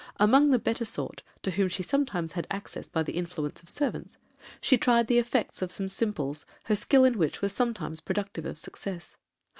Among the better sort, to whom she sometimes had access by the influence of servants, she tried the effects of some simples, her skill in which was sometimes productive of success.